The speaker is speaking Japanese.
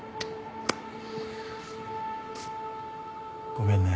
ごめんね